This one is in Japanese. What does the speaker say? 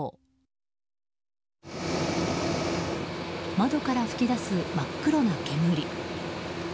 窓から噴き出す真っ黒な煙。